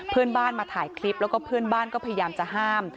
เพื่อนบ้านมาถ่ายคลิปแล้วก็เพื่อนบ้านก็พยายามจะห้าม